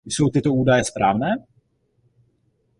Jsou tyto údaje správné?